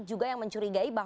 juga yang mencurigai